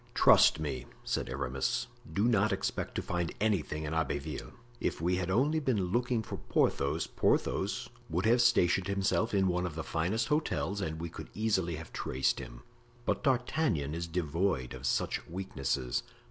"Trust me," said Aramis, "do not expect to find anything in Abbeville. If we had only been looking for Porthos, Porthos would have stationed himself in one of the finest hotels and we could easily have traced him. But D'Artagnan is devoid of such weaknesses.